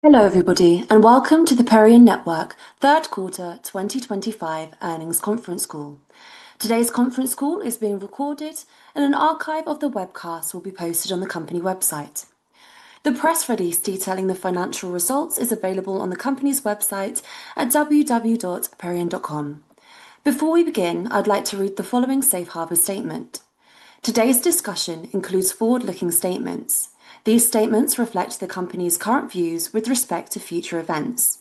Hello everybody and welcome to the Perion Network Third Quarter 2025 Earnings Conference call. Today's conference call is being recorded, and an archive of the webcast will be posted on the company website. The press release detailing the financial results is available on the company's website at www.perion.com. Before we begin, I'd like to read the following safe harbor statement. Today's discussion includes forward-looking statements. These statements reflect the company's current views with respect to future events.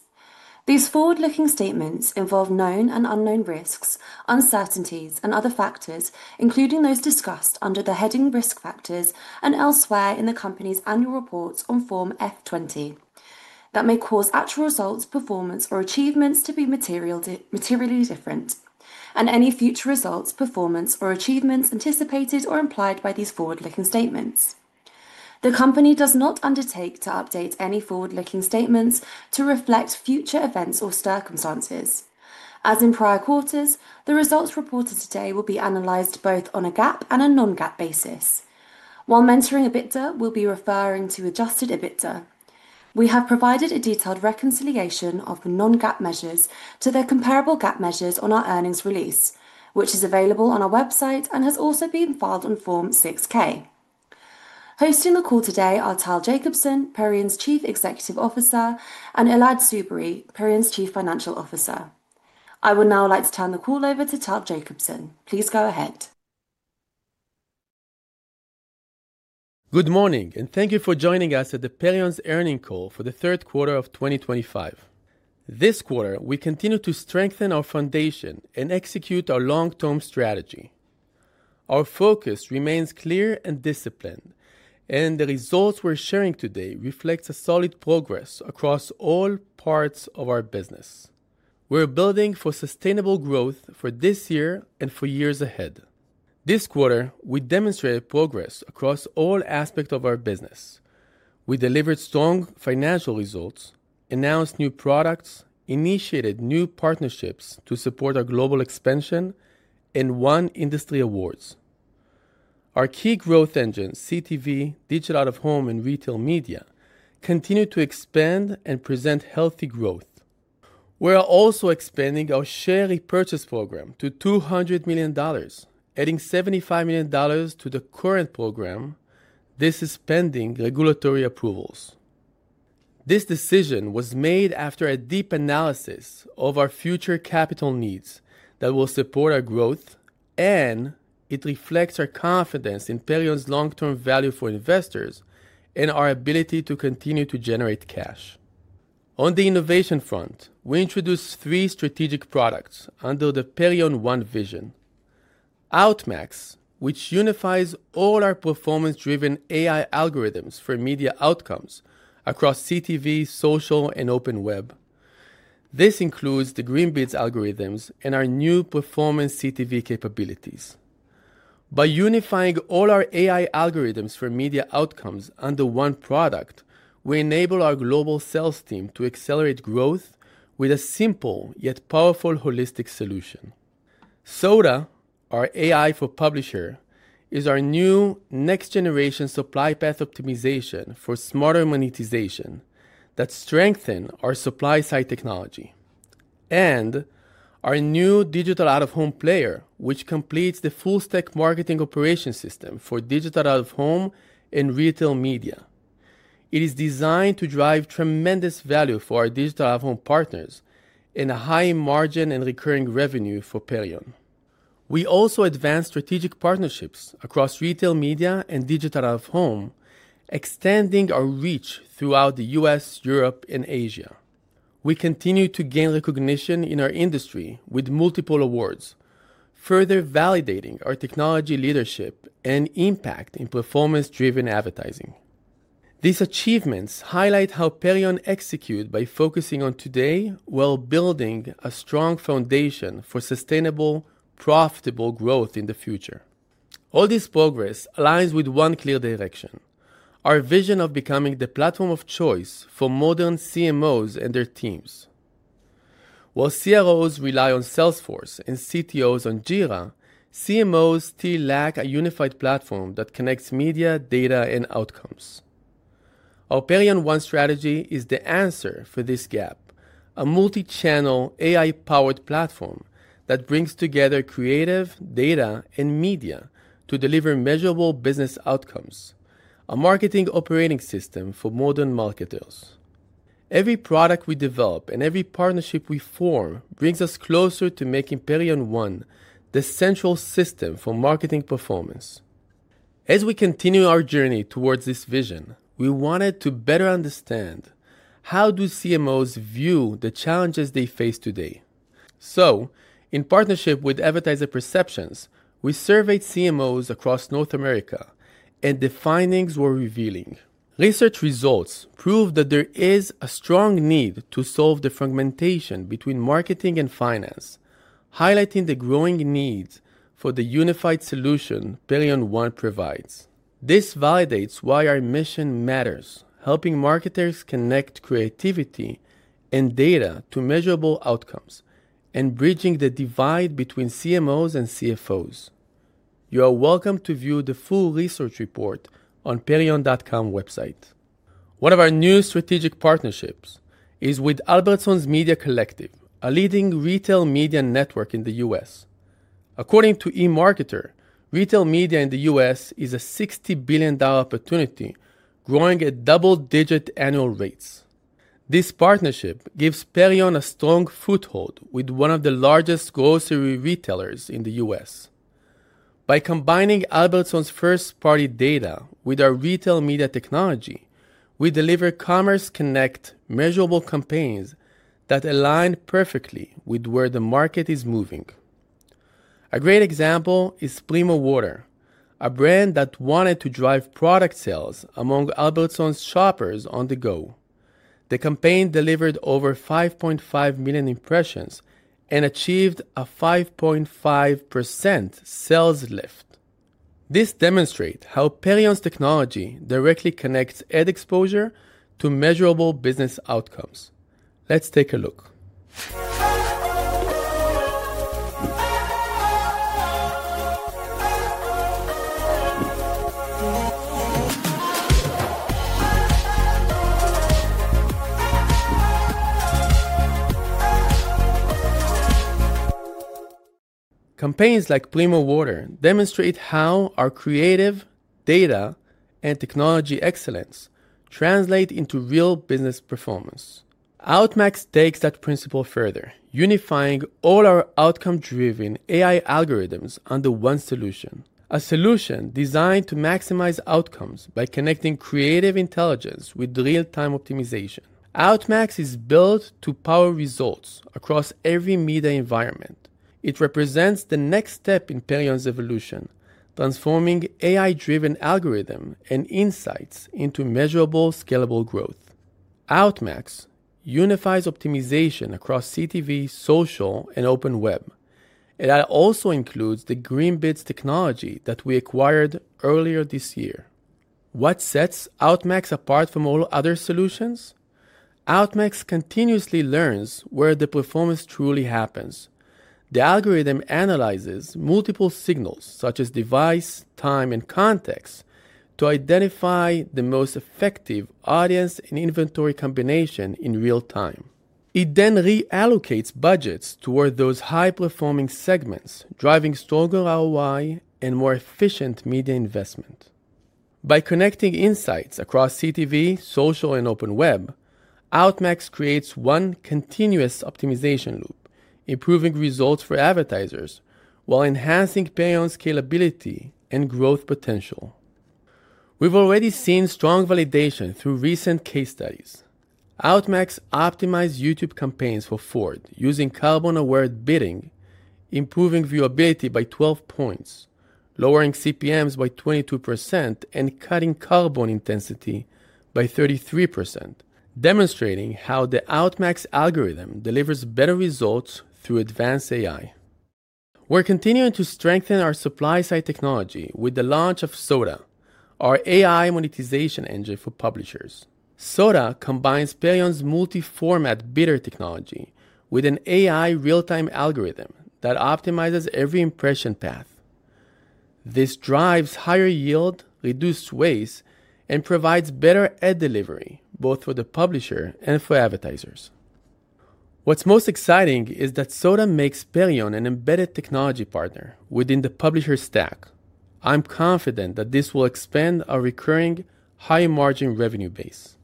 These forward-looking statements involve known and unknown risks, uncertainties, and other factors, including those discussed under the heading risk factors and elsewhere in the company's annual reports on Form F-20, that may cause actual results, performance, or achievements to be materially different, and any future results, performance, or achievements anticipated or implied by these forward-looking statements. The company does not undertake to update any forward-looking statements to reflect future events or circumstances. As in prior quarters, the results reported today will be analyzed both on a GAAP and a non-GAAP basis. While mentioning EBITDA, we'll be referring to adjusted EBITDA. We have provided a detailed reconciliation of the non-GAAP measures to their comparable GAAP measures on our earnings release, which is available on our website and has also been filed on Form 6-K. Hosting the call today are Tal Jacobson, Perion's Chief Executive Officer, and Elad Tzubery, Perion's Chief Financial Officer. I would now like to turn the call over to Tal Jacobson. Please go ahead. Good morning and thank you for joining us at the Perion's earnings call for the third quarter of 2025. This quarter, we continue to strengthen our foundation and execute our long-term strategy. Our focus remains clear and disciplined, and the results we're sharing today reflect solid progress across all parts of our business. We're building for sustainable growth for this year and for years ahead. This quarter, we demonstrated progress across all aspects of our business. We delivered strong financial results, announced new products, initiated new partnerships to support our global expansion, and won industry awards. Our key growth engines, CTV, Digital Out-of-Home, and retail media, continue to expand and present healthy growth. We're also expanding our share repurchase program to $200 million, adding $75 million to the current program. This is pending regulatory approvals. This decision was made after a deep analysis of our future capital needs that will support our growth, and it reflects our confidence in Perion's long-term value for investors and our ability to continue to generate cash. On the innovation front, we introduced three strategic products under the Perion One Vision: Outmax, which unifies all our performance-driven AI algorithms for media outcomes across CTV, social, and open web. This includes the Greenbids algorithms and our new performance CTV capabilities. By unifying all our AI algorithms for media outcomes under one product, we enable our global sales team to accelerate growth with a simple yet powerful holistic solution. SODA, our AI for publisher, is our new next-generation supply path optimization for smarter monetization that strengthens our supply-side technology. Our new Digital Out-of-Home player completes the full-stack marketing operation system for Digital Out-of-Home and retail media. It is designed to drive tremendous value for our Digital Out-of-Home partners and a high margin and recurring revenue for Perion. We also advance strategic partnerships across retail media and Digital Out-of-Home, extending our reach throughout the U.S., Europe, and Asia. We continue to gain recognition in our industry with multiple awards, further validating our technology leadership and impact in performance-driven advertising. These achievements highlight how Perion executes by focusing on today while building a strong foundation for sustainable, profitable growth in the future. All this progress aligns with one clear direction: our vision of becoming the platform of choice for modern CMOs and their teams. While CROs rely on Salesforce and CTOs on Jira, CMOs still lack a unified platform that connects media, data, and outcomes. Our Perion One strategy is the answer for this gap: a multi-channel AI-powered platform that brings together creative data and media to deliver measurable business outcomes, a marketing operating system for modern marketers. Every product we develop and every partnership we form brings us closer to making Perion One the central system for marketing performance. As we continue our journey towards this vision, we wanted to better understand how do CMOs view the challenges they face today. In partnership with Advertiser Perceptions, we surveyed CMOs across North America, and the findings were revealing. Research results prove that there is a strong need to solve the fragmentation between marketing and finance, highlighting the growing need for the unified solution Perion One provides. This validates why our mission matters, helping marketers connect creativity and data to measurable outcomes and bridging the divide between CMOs and CFOs. You are welcome to view the full research report on perion.com website. One of our new strategic partnerships is with Albertsons Media Collective, a leading retail media network in the U.S. According to eMarketer, retail media in the us is a $60 billion opportunity, growing at double-digit annual rates. This partnership gives Perion a strong foothold with one of the largest grocery retailers in the U.S. By combining Albertsons' first-party data with our retail media technology, we deliver commerce-connect measurable campaigns that align perfectly with where the market is moving. A great example is Spliemo Water, a brand that wanted to drive product sales among Albertsons' shoppers on the go. The campaign delivered over 5.5 million impressions and achieved a 5.5% sales lift. This demonstrates how Perion's technology directly connects ad exposure to measurable business outcomes. Let's take a look. Campaigns like Spliemo Water demonstrate how our creative data and technology excellence translate into real business performance. Outmax takes that principle further, unifying all our outcome-driven AI algorithms under one solution. A solution designed to maximize outcomes by connecting creative intelligence with real-time optimization. Outmax is built to power results across every media environment. It represents the next step in Perion's evolution, transforming AI-driven algorithms and insights into measurable, scalable growth. Outmax unifies optimization across CTV, social, and open web. It also includes the GreenBids technology that we acquired earlier this year. What sets Outmax apart from all other solutions? Outmax continuously learns where the performance truly happens. The algorithm analyzes multiple signals, such as device, time, and context, to identify the most effective audience and inventory combination in real time. It then reallocates budgets toward those high-performing segments, driving stronger ROI and more efficient media investment. By connecting insights across CTV, social, and open web, Outmax creates one continuous optimization loop, improving results for advertisers while enhancing Perion's scalability and growth potential. We've already seen strong validation through recent case studies. Outmax optimized YouTube campaigns for Ford using carbon-aware bidding, improving viewability by 12 percentage points, lowering CPMs by 22%, and cutting carbon intensity by 33%, demonstrating how the Outmax algorithm delivers better results through advanced AI. We're continuing to strengthen our supply-side technology with the launch of SODA, our AI monetization engine for publishers. SODA combines Perion's multi-format bidder technology with an AI real-time algorithm that optimizes every impression path. This drives higher yield, reduced waste, and provides better ad delivery both for the publisher and for advertisers. What's most exciting is that SODA makes Perion an embedded technology partner within the publisher stack. I'm confident that this will expand our recurring high-margin revenue base.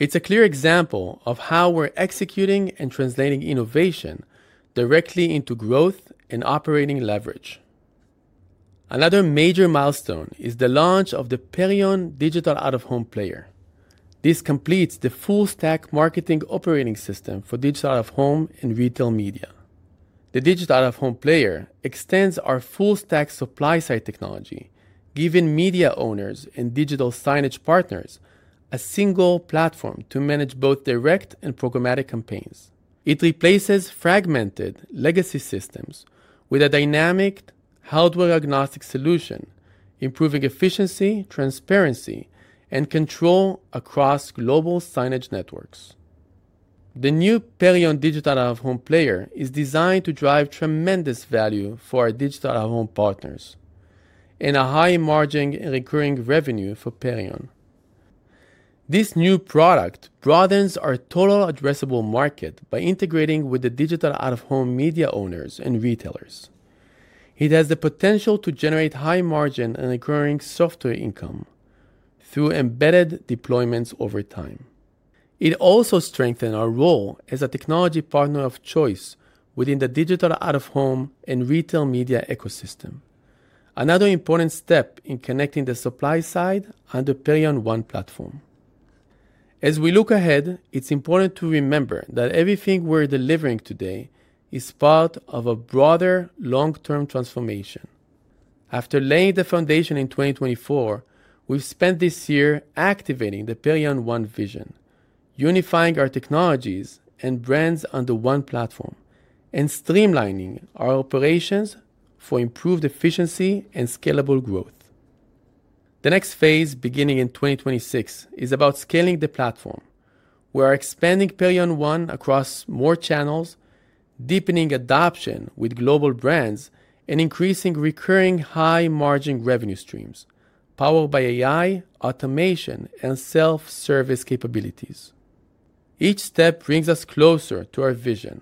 It's a clear example of how we're executing and translating innovation directly into growth and operating leverage. Another major milestone is the launch of the Perion Digital Out-of-Home Player. This completes the full-stack marketing operating system for Digital Out-of-Home and retail media. The Digital Out-of-Home Player extends our full-stack supply-side technology, giving media owners and digital signage partners a single platform to manage both direct and programmatic campaigns. It replaces fragmented legacy systems with a dynamic, hardware-agnostic solution, improving efficiency, transparency, and control across global signage networks. The new Perion Digital Out-of-Home Player is designed to drive tremendous value for our Digital Out-of-Home partners and a high margin and recurring revenue for Perion. This new product broadens our total addressable market by integrating with the Digital Out-of-Home media owners and retailers. It has the potential to generate high margin and recurring software income through embedded deployments over time. It also strengthens our role as a technology partner of choice within the Digital Out-of-Home and retail media ecosystem, another important step in connecting the supply-side under Perion One platform. As we look ahead, it's important to remember that everything we're delivering today is part of a broader long-term transformation. After laying the foundation in 2024, we've spent this year activating the Perion One vision, unifying our technologies and brands under one platform, and streamlining our operations for improved efficiency and scalable growth. The next phase, beginning in 2026, is about scaling the platform. We're expanding Perion One across more channels, deepening adoption with global brands, and increasing recurring high-margin revenue streams powered by AI, automation, and self-service capabilities. Each step brings us closer to our vision: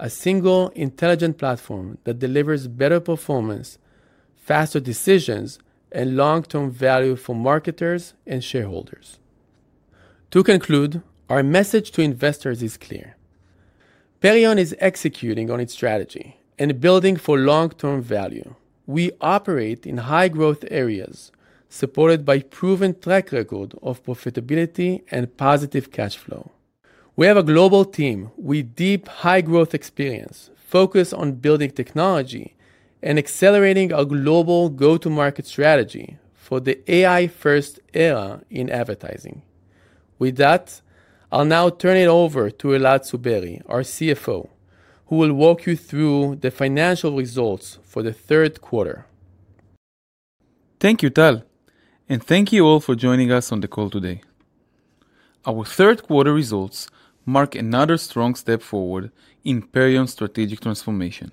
a single intelligent platform that delivers better performance, faster decisions, and long-term value for marketers and shareholders. To conclude, our message to investors is clear. Perion is executing on its strategy and building for long-term value. We operate in high-growth areas, supported by proven track record of profitability and positive cash flow. We have a global team with deep high-growth experience, focused on building technology and accelerating our global go-to-market strategy for the AI-first era in advertising. With that, I'll now turn it over to Elad Tzubery, our CFO, who will walk you through the financial results for the third quarter. Thank you, Tal, and thank you all for joining us on the call today. Our third-quarter results mark another strong step forward in Perion's strategic transformation.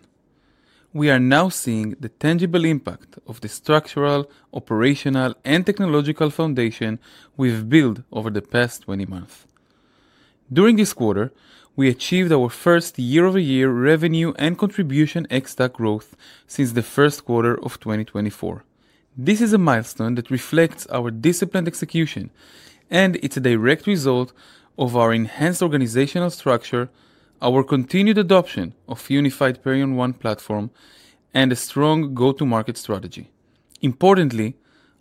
We are now seeing the tangible impact of the structural, operational, and technological foundation we've built over the past 20 months. During this quarter, we achieved our first year-over-year revenue and contribution ex-TAC growth since the first quarter of 2024. This is a milestone that reflects our disciplined execution, and it's a direct result of our enhanced organizational structure, our continued adoption of the unified Perion One platform, and a strong go-to-market strategy. Importantly,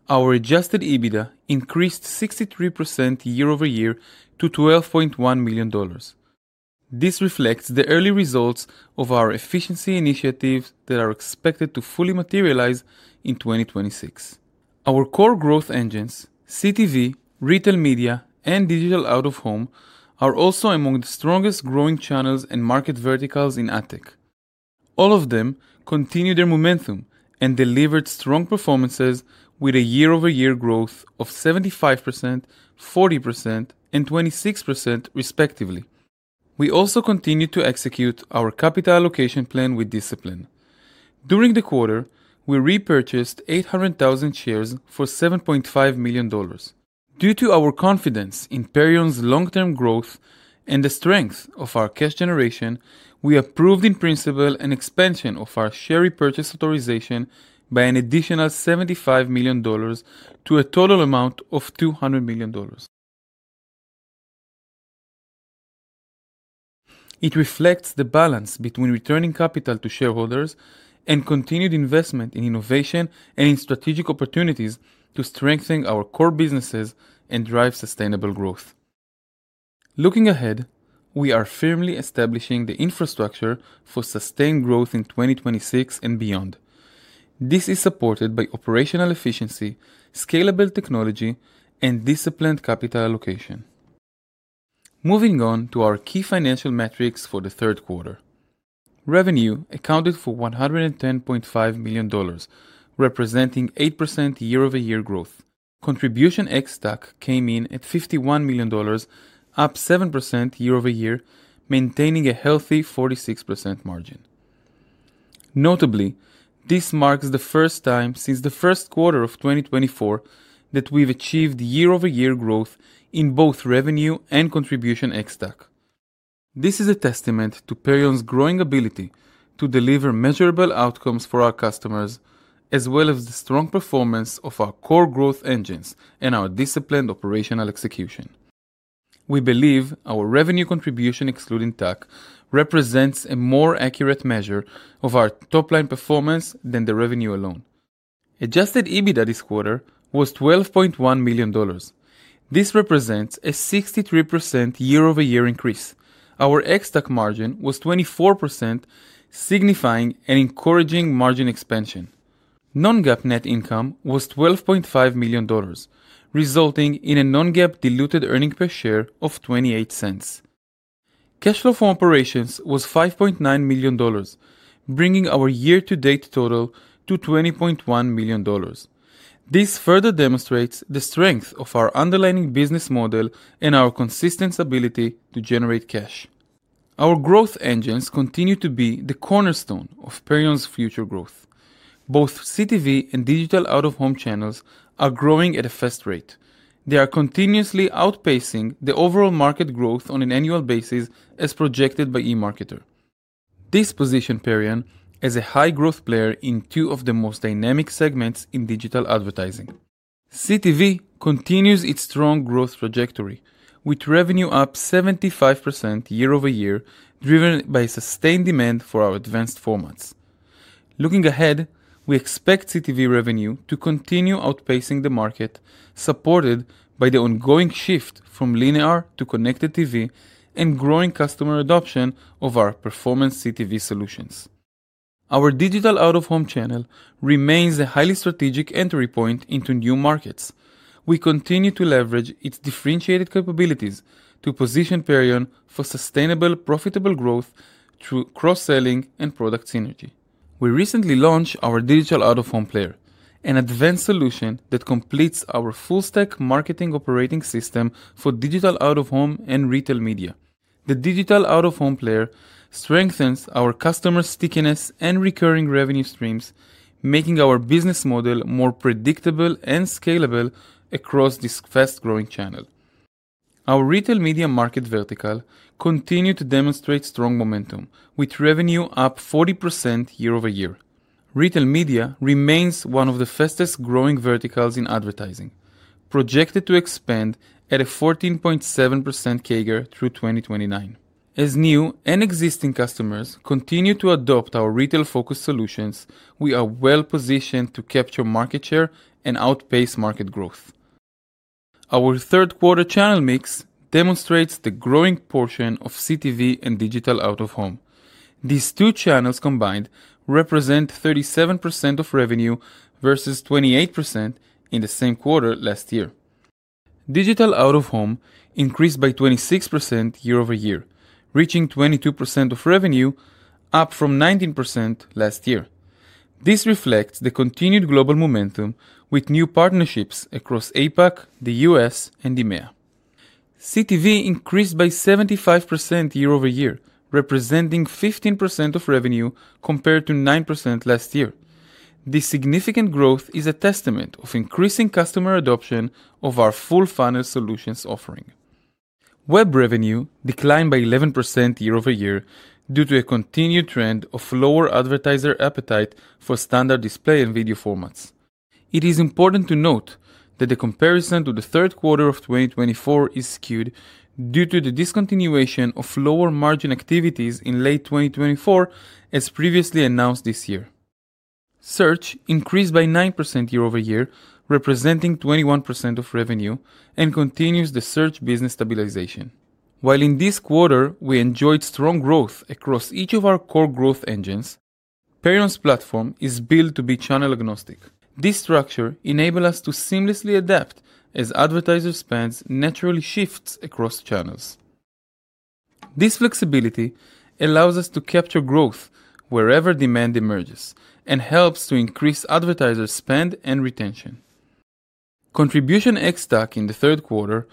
our adjusted EBITDA increased 63% year-over-year to $12.1 million. This reflects the early results of our efficiency initiatives that are expected to fully materialize in 2026. Our core growth engines, CTV, retail media, and Digital Out-of-Home, are also among the strongest growing channels and market verticals in ATEC. All of them continued their momentum and delivered strong performances with a year-over-year growth of 75%, 40%, and 26%, respectively. We also continue to execute our capital allocation plan with discipline. During the quarter, we repurchased 800,000 shares for $7.5 million. Due to our confidence in Perion's long-term growth and the strength of our cash generation, we approved in principle an expansion of our share repurchase authorization by an additional $75 million to a total amount of $200 million. It reflects the balance between returning capital to shareholders and continued investment in innovation and in strategic opportunities to strengthen our core businesses and drive sustainable growth. Looking ahead, we are firmly establishing the infrastructure for sustained growth in 2026 and beyond. This is supported by operational efficiency, scalable technology, and disciplined capital allocation. Moving on to our key financial metrics for the third quarter, revenue accounted for $110.5 million, representing 8% year-over-year growth. Contribution ex-TAC came in at $51 million, up 7% year-over-year, maintaining a healthy 46% margin. Notably, this marks the first time since the first quarter of 2024 that we've achieved year-over-year growth in both revenue and contribution ex-TAC. This is a testament to Perion's growing ability to deliver measurable outcomes for our customers, as well as the strong performance of our core growth engines and our disciplined operational execution. We believe our revenue contribution ex-TAC represents a more accurate measure of our top-line performance than the revenue alone. Adjusted EBITDA this quarter was $12.1 million. This represents a 63% year-over-year increase. Our ex-TAC margin was 24%, signifying an encouraging margin expansion. Non-GAAP net income was $12.5 million, resulting in a non-GAAP diluted earnings per share of $0.28. Cash flow from operations was $5.9 million, bringing our year-to-date total to $20.1 million. This further demonstrates the strength of our underlying business model and our consistent ability to generate cash. Our growth engines continue to be the cornerstone of Perion's future growth. Both CTV and Digital Out-of-Home channels are growing at a fast rate. They are continuously outpacing the overall market growth on an annual basis, as projected by eMarketer. This positions Perion as a high-growth player in two of the most dynamic segments in digital advertising. CTV continues its strong growth trajectory, with revenue up 75% year-over-year, driven by sustained demand for our advanced formats. Looking ahead, we expect CTV revenue to continue outpacing the market, supported by the ongoing shift from linear to connected TV and growing customer adoption of our performance CTV solutions. Our Digital Out-of-Home channel remains a highly strategic entry point into new markets. We continue to leverage its differentiated capabilities to position Perion for sustainable, profitable growth through cross-selling and product synergy. We recently launched our Digital Out-of-Home player, an advanced solution that completes our full-stack marketing operating system for Digital Out-of-Home and retail media. The Digital Out-of-Home Player strengthens our customer stickiness and recurring revenue streams, making our business model more predictable and scalable across this fast-growing channel. Our retail media market vertical continues to demonstrate strong momentum, with revenue up 40% year-over-year. Retail media remains one of the fastest-growing verticals in advertising, projected to expand at a 14.7% CAGR through 2029. As new and existing customers continue to adopt our retail-focused solutions, we are well-positioned to capture market share and outpace market growth. Our third-quarter channel mix demonstrates the growing portion of CTV and Digital Out-of-Home. These two channels combined represent 37% of revenue versus 28% in the same quarter last year. Digital Out-of-Home increased by 26% year-over-year, reaching 22% of revenue, up from 19% last year. This reflects the continued global momentum with new partnerships across APAC, the U.S., and EMEA. CTV increased by 75% year-over-year, representing 15% of revenue compared to 9% last year. This significant growth is a testament to increasing customer adoption of our full-funnel solutions offering. Web revenue declined by 11% year-over-year due to a continued trend of lower advertiser appetite for standard display and video formats. It is important to note that the comparison to the third quarter of 2024 is skewed due to the discontinuation of lower margin activities in late 2024, as previously announced this year. Search increased by 9% year-over-year, representing 21% of revenue, and continues the search business stabilization. While in this quarter we enjoyed strong growth across each of our core growth engines, Perion's platform is built to be channel agnostic. This structure enables us to seamlessly adapt as advertiser spend naturally shifts across channels. This flexibility allows us to capture growth wherever demand emerges and helps to increase advertiser spend and retention. Contribution ex-TAC in the third quarter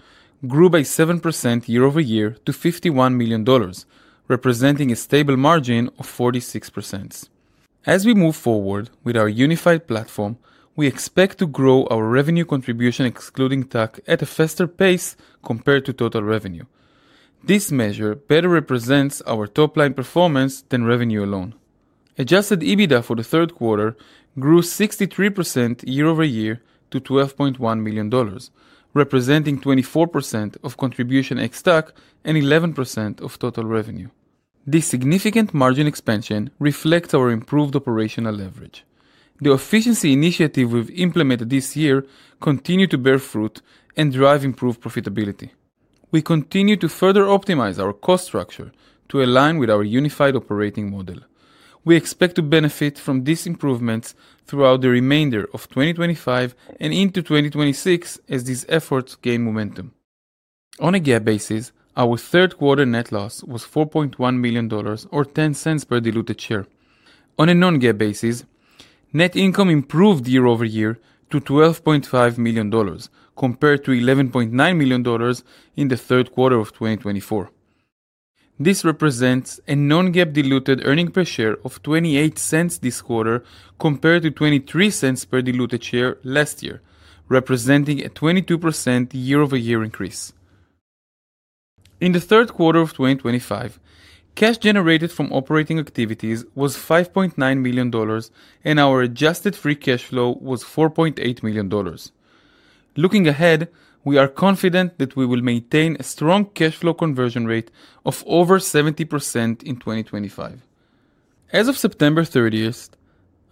grew by 7% year-over-year to $51 million, representing a stable margin of 46%. As we move forward with our unified platform, we expect to grow our revenue contribution excluding TAC at a faster pace compared to total revenue. This measure better represents our top-line performance than revenue alone. Adjusted EBITDA for the third quarter grew 63% year-over-year to $12.1 million, representing 24% of contribution ex-TAC and 11% of total revenue. This significant margin expansion reflects our improved operational leverage. The efficiency initiative we've implemented this year continues to bear fruit and drive improved profitability. We continue to further optimize our cost structure to align with our unified operating model. We expect to benefit from these improvements throughout the remainder of 2025 and into 2026 as these efforts gain momentum. On a GAAP basis, our third-quarter net loss was $4.1 million or $0.10 per diluted share. On a non-GAAP basis, net income improved year-over-year to $12.5 million compared to $11.9 million in the third quarter of 2024. This represents a non-GAAP diluted earning per share of $0.28 this quarter compared to $0.23 per diluted share last year, representing a 22% year-over-year increase. In the third quarter of 2025, cash generated from operating activities was $5.9 million, and our adjusted free cash flow was $4.8 million. Looking ahead, we are confident that we will maintain a strong cash flow conversion rate of over 70% in 2025. As of September 30,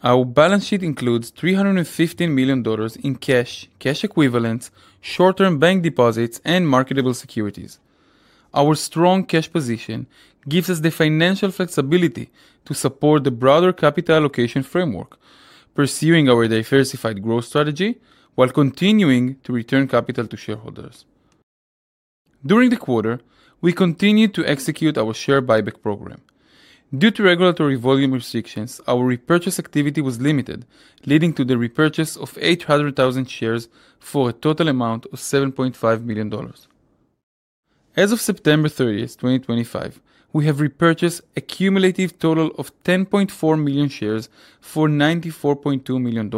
our balance sheet includes $315 million in cash, cash equivalents, short-term bank deposits, and marketable securities. Our strong cash position gives us the financial flexibility to support the broader capital allocation framework, pursuing our diversified growth strategy while continuing to return capital to shareholders. During the quarter, we continued to execute our share buyback program. Due to regulatory volume restrictions, our repurchase activity was limited, leading to the repurchase of 800,000 shares for a total amount of $7.5 million. As of September 30th, 2025, we have repurchased a cumulative total of 10.4 million shares for $94.2 million.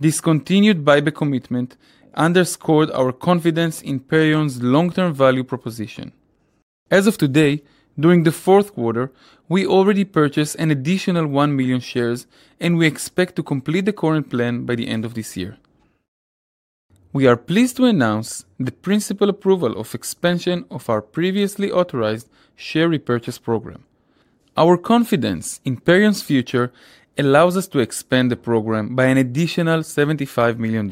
This continued buyback commitment underscored our confidence in Perion's long-term value proposition. As of today, during the fourth quarter, we already purchased an additional 1 million shares, and we expect to complete the current plan by the end of this year. We are pleased to announce the principal approval of expansion of our previously authorized share repurchase program. Our confidence in Perion's future allows us to expand the program by an additional $75 million.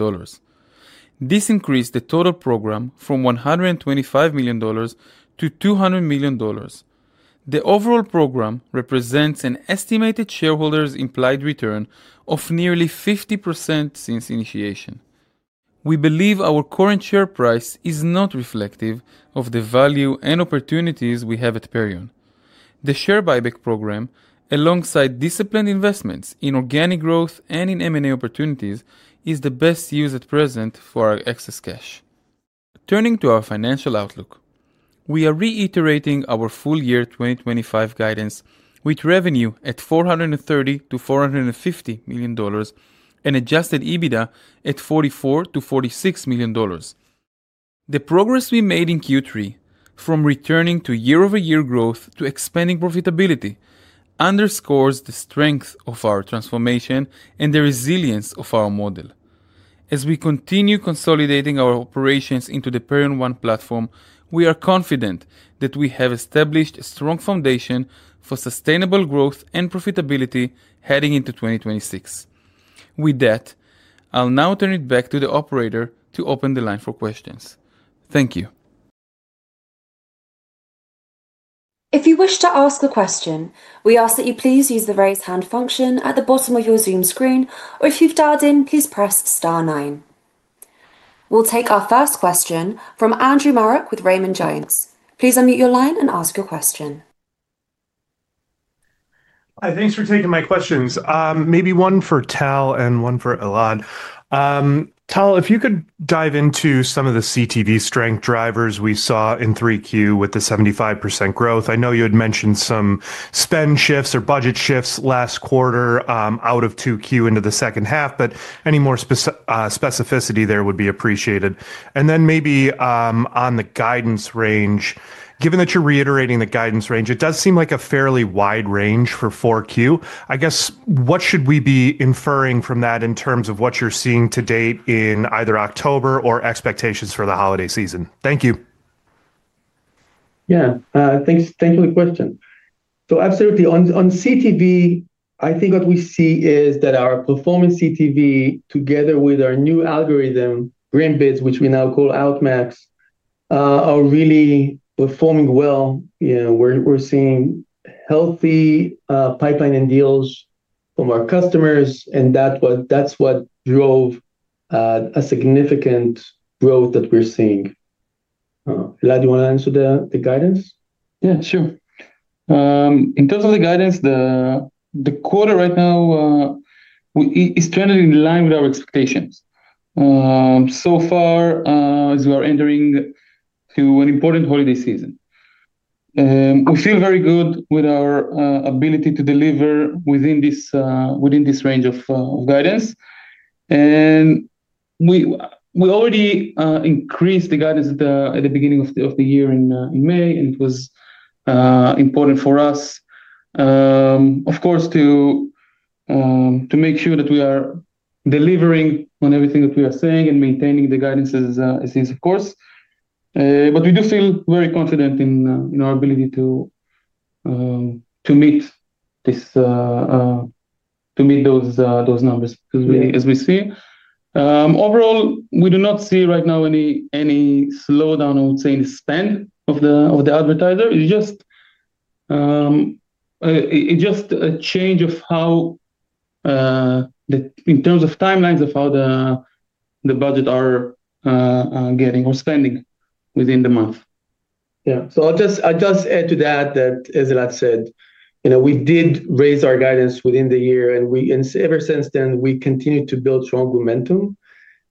This increased the total program from $125 million to $200 million. The overall program represents an estimated shareholders' implied return of nearly 50% since initiation. We believe our current share price is not reflective of the value and opportunities we have at Perion. The share buyback program, alongside disciplined investments in organic growth and in M&A opportunities, is the best use at present for our excess cash. Turning to our financial outlook, we are reiterating our full year 2025 guidance with revenue at $430-$450 million and adjusted EBITDA at $44-$46 million. The progress we made in Q3, from returning to year-over-year growth to expanding profitability, underscores the strength of our transformation and the resilience of our model. As we continue consolidating our operations into the Perion One platform, we are confident that we have established a strong foundation for sustainable growth and profitability heading into 2026. With that, I'll now turn it back to the operator to open the line for questions. Thank you. If you wish to ask a question, we ask that you please use the raise hand function at the bottom of your Zoom screen, or if you've dialed in, please press star nine. We'll take our first question from Andrew Marok with Raymond James. Please unmute your line and ask your question. Hi, thanks for taking my questions. Maybe one for Tal and one for Elad. Tal, if you could dive into some of the CTV strength drivers we saw in 3Q with the 75% growth. I know you had mentioned some spend shifts or budget shifts last quarter out of 2Q into the second half, but any more specificity there would be appreciated. And then maybe on the guidance range, given that you're reiterating the guidance range, it does seem like a fairly wide range for 4Q. I guess, what should we be inferring from that in terms of what you're seeing to date in either October or expectations for the holiday season? Thank you. Yeah, thanks for the question. So absolutely, on CTV, I think what we see is that our performance CTV, together with our new algorithm, Greenbids, which we now call Outmax, are really performing well. We're seeing healthy pipeline and deals from our customers, and that's what drove a significant growth that we're seeing. Elad, do you want to answer the guidance? Yeah, sure. In terms of the guidance, the quarter right now is trending in line with our expectations. So far, as we are entering an important holiday season, we feel very good with our ability to deliver within this range of guidance. We already increased the guidance at the beginning of the year in May, and it was important for us, of course, to make sure that we are delivering on everything that we are saying and maintaining the guidance as is, of course. We do feel very confident in our ability to meet those numbers, as we see. Overall, we do not see right now any slowdown, I would say, in the spend of the advertiser. It's just a change of how, in terms of timelines of how the budget are getting or spending within the month. Yeah, so I'll just add to that that, as Elad said, we did raise our guidance within the year, and ever since then, we continue to build strong momentum.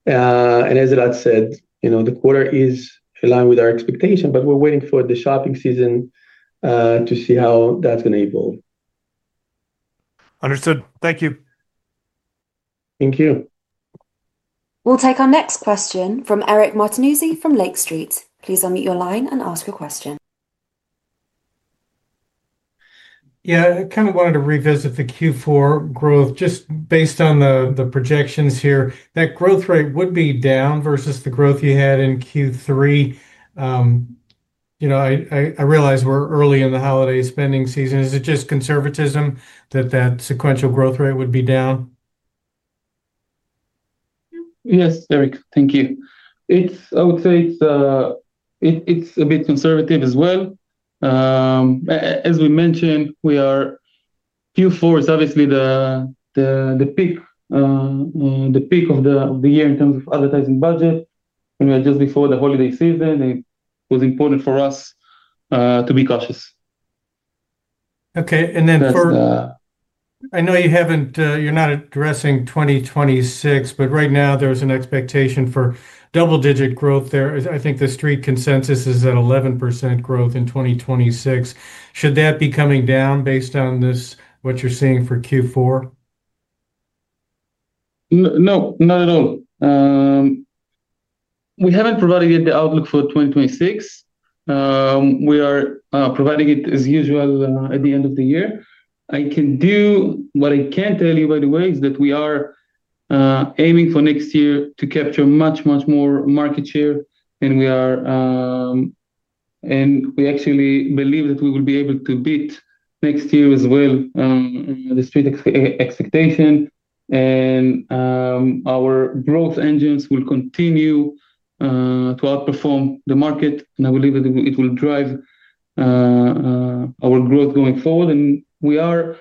As Elad said, the quarter is in line with our expectation, but we're waiting for the shopping season to see how that's going to evolve. Understood. Thank you. Thank you. We'll take our next question from Eric Martinuzzi from Lake Street. Please unmute your line and ask your question. Yeah, I kind of wanted to revisit the Q4 growth. Just based on the projections here, that growth rate would be down versus the growth you had in Q3. I realize we're early in the holiday spending season. Is it just conservatism that that sequential growth rate would be down? Yes, Eric, thank you. I would say it's a bit conservative as well. As we mentioned, Q4 is obviously the peak of the year in terms of advertising budget. We are just before the holiday season, and it was important for us to be cautious. Okay, and then for I know you're not addressing 2026, but right now there's an expectation for double-digit growth there. I think the street consensus is at 11% growth in 2026. Should that be coming down based on what you're seeing for Q4? No, not at all. We haven't provided yet the outlook for 2026. We are providing it as usual at the end of the year. What I can tell you, by the way, is that we are aiming for next year to capture much, much more market share. We actually believe that we will be able to beat next year as well the street expectation. Our growth engines will continue to outperform the market. I believe that it will drive our growth going forward. As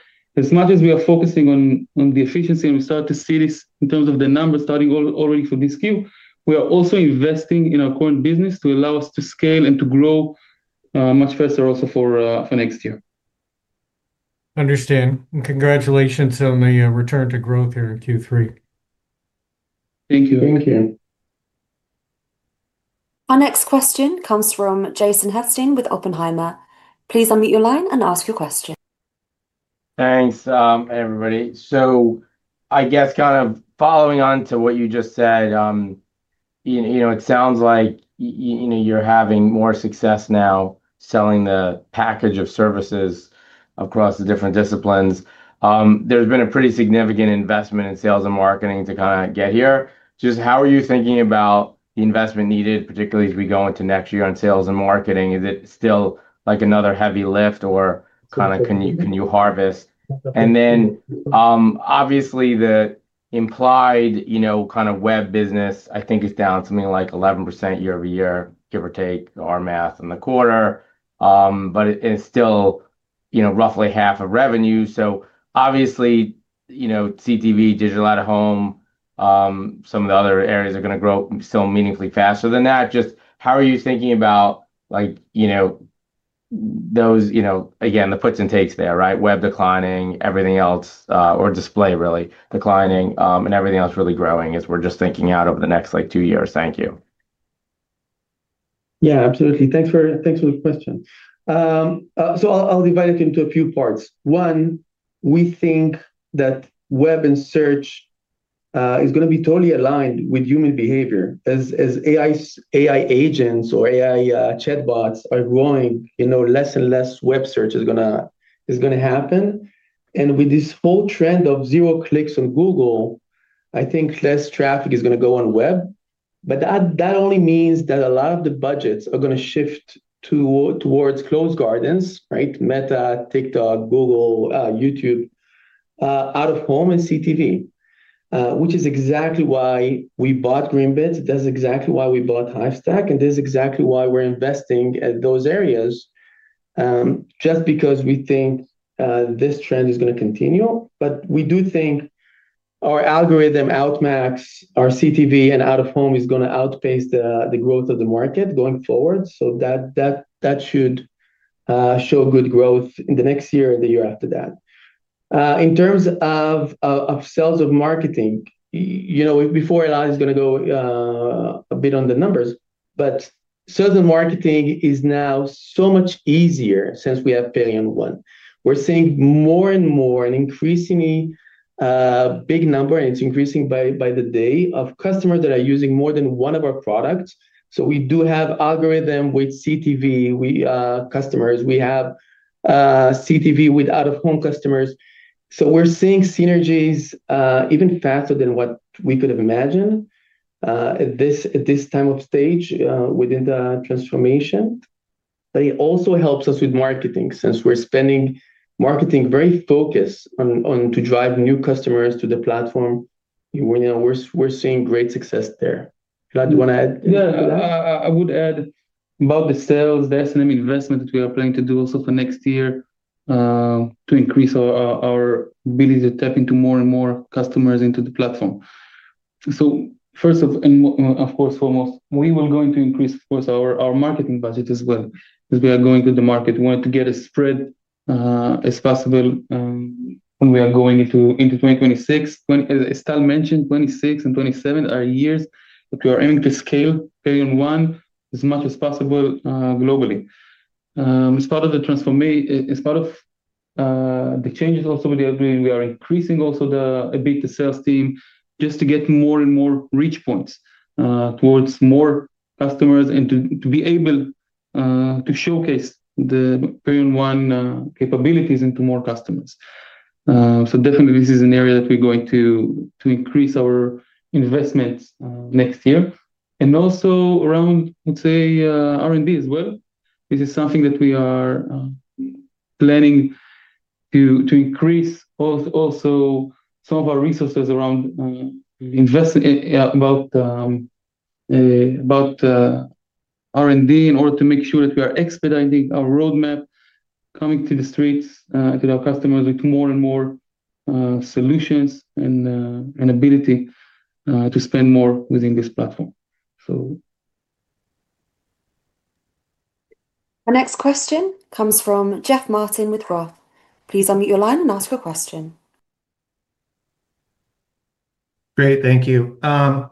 much as we are focusing on the efficiency and we start to see this in terms of the numbers starting already for this Q, we are also investing in our current business to allow us to scale and to grow much faster also for next year. Understand. Congratulations on the return to growth here in Q3. Thank you. Thank you. Our next question comes from Jason Helfstein with Oppenheimer. Please unmute your line and ask your question. Thanks, everybody. I guess kind of following on to what you just said, it sounds like you're having more success now selling the package of services across the different disciplines. There's been a pretty significant investment in sales and marketing to kind of get here. Just how are you thinking about the investment needed, particularly as we go into next year on sales and marketing? Is it still like another heavy lift or kind of can you harvest? Obviously, the implied kind of web business, I think it is down something like 11% year over year, give or take our math in the quarter, but it is still roughly half of revenue. Obviously, CTV, digital out of home, some of the other areas are going to grow so meaningfully faster than that. Just how are you thinking about those, again, the puts and takes there, right? Web declining, everything else, or display really declining, and everything else really growing as we are just thinking out over the next two years. Thank you. Yeah, absolutely. Thanks for the question. I will divide it into a few parts. One, we think that web and search is going to be totally aligned with human behavior. As AI agents or AI chatbots are growing, less and less web search is going to happen. With this full trend of zero clicks on Google, I think less traffic is going to go on web. That only means that a lot of the budgets are going to shift towards closed gardens, right? Meta, TikTok, Google, YouTube, out of home and CTV, which is exactly why we bought Greenbids. That is exactly why we bought Hivestack, and this is exactly why we are investing at those areas, just because we think this trend is going to continue. We do think our algorithm Outmax, our CTV, and out of home is going to outpace the growth of the market going forward. That should show good growth in the next year and the year after that. In terms of sales and marketing, before Elad is going to go a bit on the numbers, sales and marketing is now so much easier since we have Perion One. We're seeing more and more an increasingly big number, and it's increasing by the day, of customers that are using more than one of our products. We do have algorithm with CTV customers. We have CTV with out of home customers. We're seeing synergies even faster than what we could have imagined at this time of stage within the transformation. It also helps us with marketing since we're spending marketing very focused on to drive new customers to the platform. We're seeing great success there. Elad, do you want to add? Yeah, I would add about the sales, that's an investment that we are planning to do also for next year to increase our ability to tap into more and more customers into the platform. First of all, of course, we will go into increase, of course, our marketing budget as well as we are going to the market. We want to get as spread as possible when we are going into 2026. As Tal mentioned, 2026 and 2027 are years that we are aiming to scale Perion One as much as possible globally. As part of the transformation, as part of the changes also with the agreement, we are increasing also a bit the sales team just to get more and more reach points towards more customers and to be able to showcase the Perion One capabilities into more customers. Definitely, this is an area that we're going to increase our investments next year. Also, I'd say R&D as well. This is something that we are planning to increase, also some of our resources around investing about R&D in order to make sure that we are expediting our roadmap, coming to the streets, to our customers with more and more solutions and ability to spend more within this platform. Our next question comes from Jeff Martin with Roth. Please unmute your line and ask your question. Great, thank you. I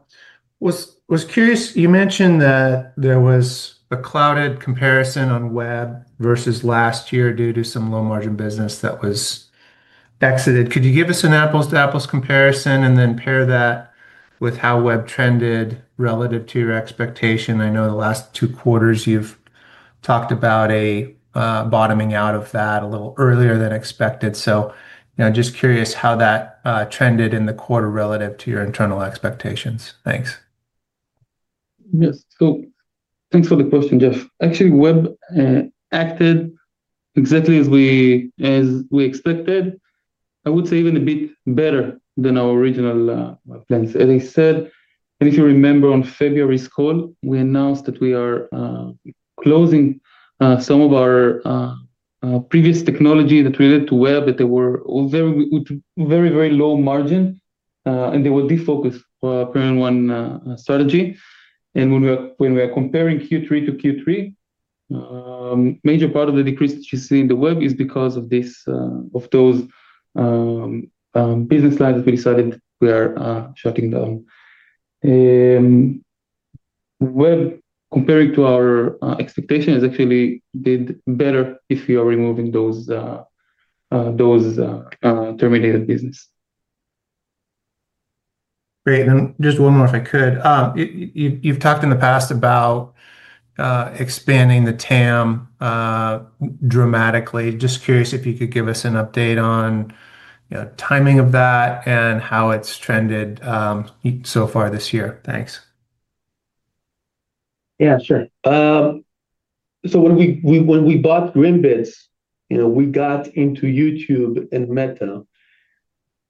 was curious, you mentioned that there was a clouded comparison on web versus last year due to some low margin business that was exited. Could you give us an apples-to-apples comparison and then pair that with how web trended relative to your expectation? I know the last two quarters you've talked about a bottoming out of that a little earlier than expected. Just curious how that trended in the quarter relative to your internal expectations. Thanks. Yes, thanks for the question, Jeff. Actually, web acted exactly as we expected. I would say even a bit better than our original plans. As I said, and if you remember on February's call, we announced that we are closing some of our previous technology that related to web that were very, very low margin, and they were defocused for our Perion One strategy. When we are comparing Q3 to Q3, a major part of the decrease that you see in the web is because of those business lines that we decided we are shutting down. Web, comparing to our expectations, actually did better if we are removing those terminated business. Great. And just one more, if I could. You've talked in the past about expanding the TAM dramatically. Just curious if you could give us an update on timing of that and how it's trended so far this year. Thanks. Yeah, sure. When we bought Greenbids, we got into YouTube and Meta,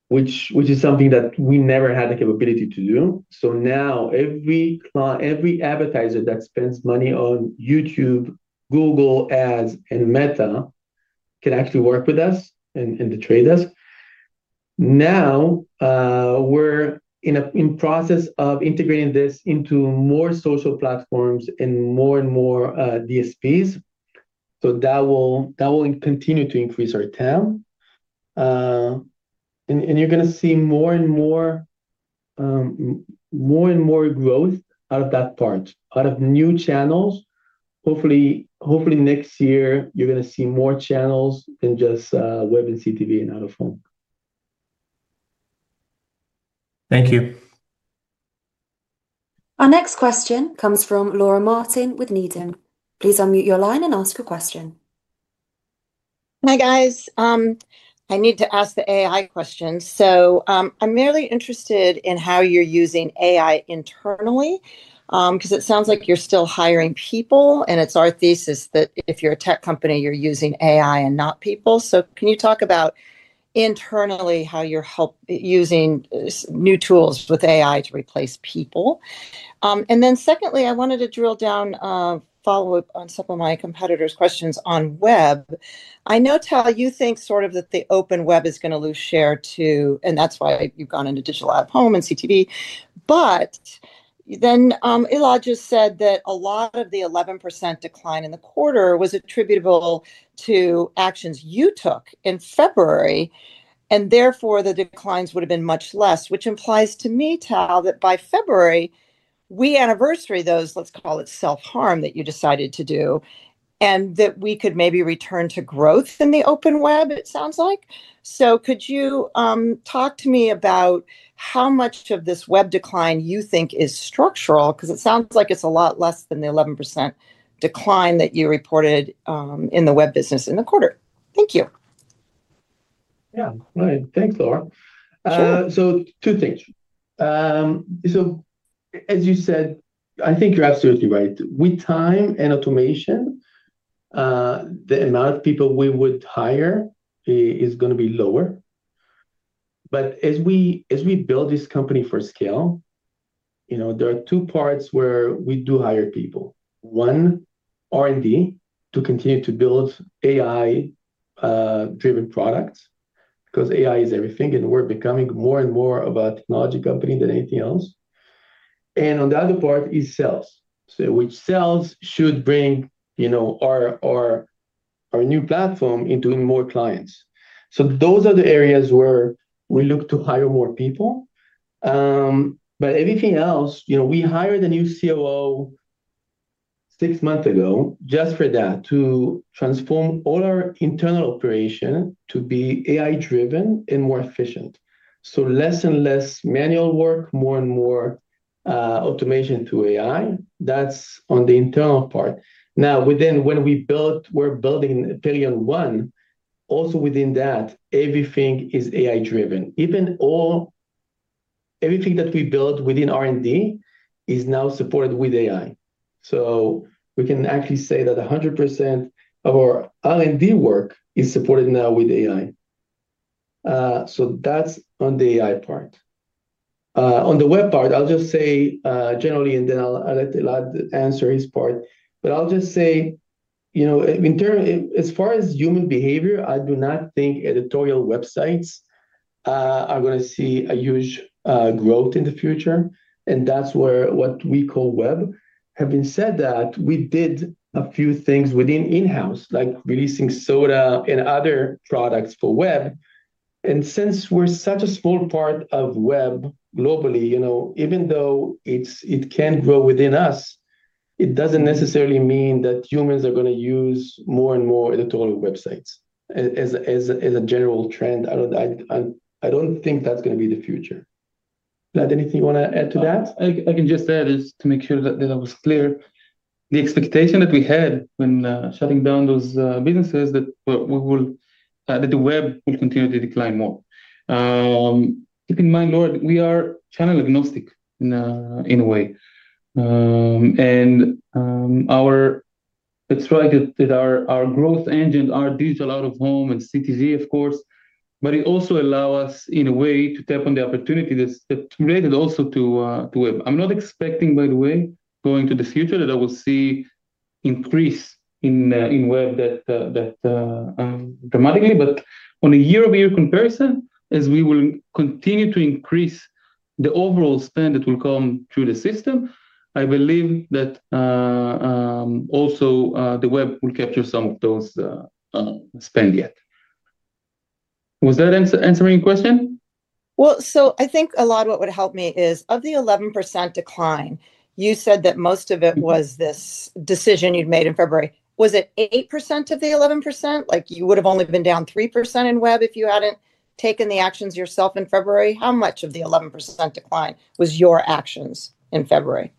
which is something that we never had the capability to do. Now every advertiser that spends money on YouTube, Google Ads, and Meta can actually work with us and trade us. Now we're in the process of integrating this into more social platforms and more and more DSPs. That will continue to increase our TAM. You're going to see more and more growth out of that part, out of new channels. Hopefully, next year, you're going to see more channels than just web and CTV and out of home. Thank you. Our next question comes from Laura Martin with Needham. Please unmute your line and ask your question. Hi guys. I need to ask the AI question. So I'm merely interested in how you're using AI internally because it sounds like you're still hiring people, and it's our thesis that if you're a tech company, you're using AI and not people. Can you talk about internally how you're using new tools with AI to replace people? Secondly, I wanted to drill down, follow up on some of my competitors' questions on web. I know, Tal, you think sort of that the open web is going to lose share to, and that's why you've gone into digital out of home and CTV. But then Elad just said that a lot of the 11% decline in the quarter was attributable to actions you took in February, and therefore the declines would have been much less, which implies to me, Tal, that by February, we anniversary those, let's call it self-harm that you decided to do, and that we could maybe return to growth in the open web, it sounds like. Could you talk to me about how much of this web decline you think is structural? Because it sounds like it's a lot less than the 11% decline that you reported in the web business in the quarter. Thank you. Yeah, thanks, Laura. Two things. As you said, I think you're absolutely right. With time and automation, the amount of people we would hire is going to be lower. As we build this company for scale, there are two parts where we do hire people. One, R&D to continue to build AI-driven products because AI is everything, and we're becoming more and more of a technology company than anything else. On the other part is sales, which sales should bring our new platform into more clients. Those are the areas where we look to hire more people. Everything else, we hired a new COO six months ago just for that, to transform all our internal operation to be AI-driven and more efficient. Less and less manual work, more and more automation to AI. That is on the internal part. Now, when we're building Perion One, also within that, everything is AI-driven. Everything that we built within R&D is now supported with AI. We can actually say that 100% of our R&D work is supported now with AI. That is on the AI part. On the web part, I'll just say generally, and then I'll let Elad answer his part. I'll just say, as far as human behavior, I do not think editorial websites are going to see a huge growth in the future. That is what we call web. Having said that, we did a few things within in-house, like releasing SODA and other products for web. Since we are such a small part of web globally, even though it can grow within us, it does not necessarily mean that humans are going to use more and more editorial websites as a general trend. I do not think that is going to be the future. Elad, anything you want to add to that? I can just add, just to make sure that that was clear, the expectation that we had when shutting down those businesses that the web will continue to decline more. Keep in mind, Laura, we are channel agnostic in a way. Let's try that our growth engine, our digital out of home and CTV, of course, but it also allows us in a way to tap on the opportunity that's related also to web. I'm not expecting, by the way, going to the future that I will see an increase in web that dramatically, but on a year-over-year comparison, as we will continue to increase the overall spend that will come through the system, I believe that also the web will capture some of those spend yet. Was that answering your question? I think a lot of what would help me is, of the 11% decline, you said that most of it was this decision you'd made in February. Was it 8% of the 11%? Like you would have only been down 3% in web if you hadn't taken the actions yourself in February. How much of the 11% decline was your actions in February?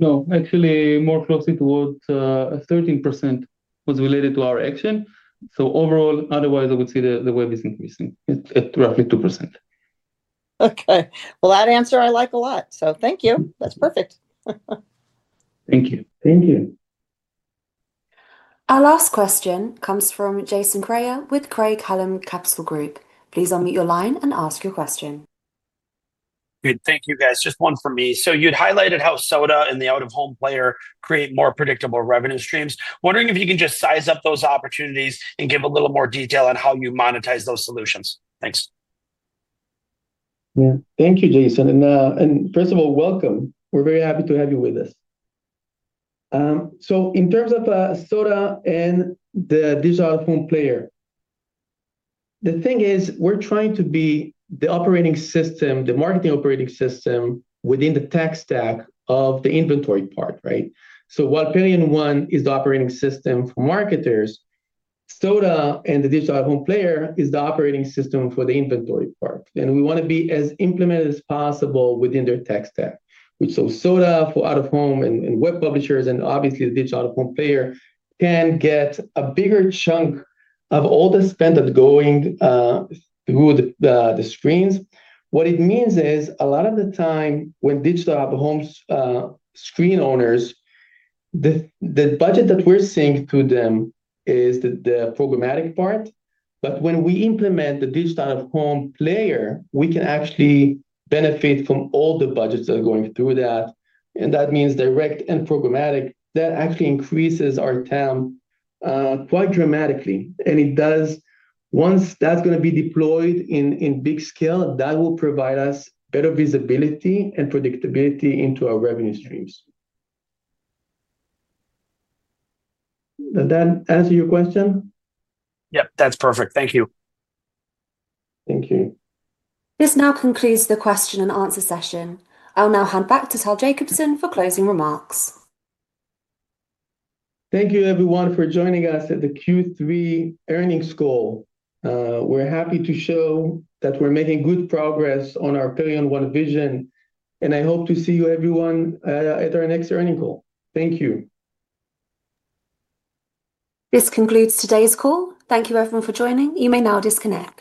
No, actually, more closely towards 13% was related to our action. So overall, otherwise, I would say the web is increasing at roughly 2%. Okay. That answer I like a lot. Thank you. That's perfect. Thank you. Thank you. Our last question comes from Jason Greyer with Craig Holland Capsule Group. Please unmute your line and ask your question. Great. Thank you, guys. Just one for me. You'd highlighted how SODA and the Digital Out-of-Home Player create more predictable revenue streams. Wondering if you can just size up those opportunities and give a little more detail on how you monetize those solutions. Thanks. Yeah, thank you, Jason. First of all, welcome. We're very happy to have you with us. In terms of SODA and the Digital Out-of-Home Player, the thing is we're trying to be the operating system, the marketing operating system within the tech stack of the inventory part, right? While Perion One is the operating system for marketers, SODA and the Digital Out-of-Home Player is the operating system for the inventory part. We want to be as implemented as possible within their tech stack. SODA for out-of-home and web publishers, and obviously the Digital Out-of-Home Player can get a bigger chunk of all the spend that's going through the screens. What it means is a lot of the time when Digital Out-of-Home screen owners, the budget that we're seeing through them is the programmatic part. When we implement the Digital Out-of-Home Player, we can actually benefit from all the budgets that are going through that. That means direct and programmatic. That actually increases our TAM quite dramatically. Once that's going to be deployed in big scale, that will provide us better visibility and predictability into our revenue streams. Does that answer your question? Yep, that's perfect. Thank you. Thank you. This now concludes the question and answer session. I'll now hand back to Tal Jacobson for closing remarks. Thank you, everyone, for joining us at the Q3 earnings call. We're happy to show that we're making good progress on our Perion One vision. I hope to see you everyone at our next earnings call. Thank you. This concludes today's call. Thank you, everyone, for joining. You may now disconnect.